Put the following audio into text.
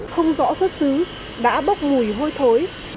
không rõ xuất xứ đã bốc ngùi hôi thối